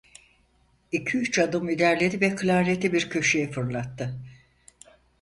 İki üç adım ilerledi ve klarneti bir köşeye fırlattı.